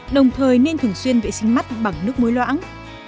đồng thời nên thường xuyên vệ sinh mắt bằng nước muối loãng